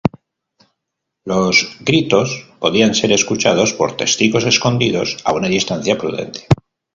Los gritos podían ser escuchados por testigos escondidos a una distancia prudente.